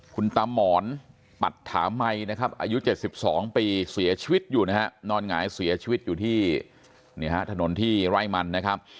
คุณตามหมอนปัตถามัยนะครับอายุ๗๒ปีเสียชีวิตอยู่นะฮะนอนหงายเสียชีวิตอยู่ที่ถนนที่ไร่มันนะครับ